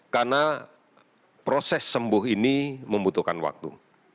karena proses sembuh ini membutuhkan waktu